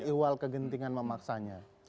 ikhwal kegentingan memaksanya